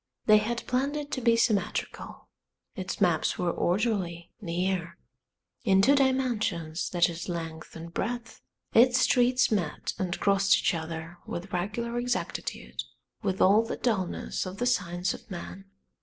They had planned it to be symmetrical, its maps were orderly, near; in two dimensions, that is length and breadth, its streets met and crossed each other with regular exactitude, with all the dullness of the science of man.